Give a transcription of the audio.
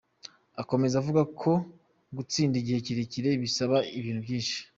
Akomeza avuga ko gutsinda igihe kirekire bisaba ibintu byinshi.